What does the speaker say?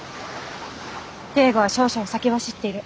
京吾は少々先走っている。